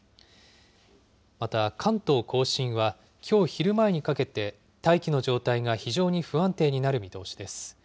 また、関東甲信はきょう昼前にかけて、大気の状態が非常に不安定になる見通しです。